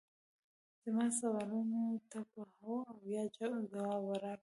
زما سوالونو ته په هو او یا ځواب راکړه